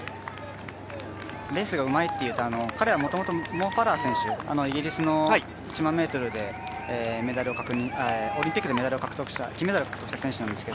レースがうまいというと彼はもともとモンファラー選手、イギリスの１万メートルでオリンピックで金メダルを獲得した選手なんですが